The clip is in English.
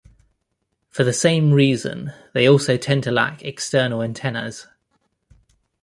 For the same reason, they also tend to lack external antennas.